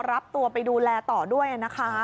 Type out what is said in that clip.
รับตัวไปดูแลต่อด้วยนะคะ